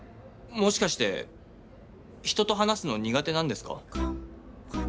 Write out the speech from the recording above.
もしかして人と話すの苦手なんですか？